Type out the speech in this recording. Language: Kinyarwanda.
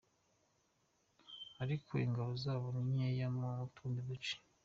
Ariko ingabo zabo ni nkeye mu tundi duce.